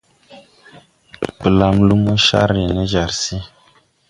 Blam lumo car re ne jar se.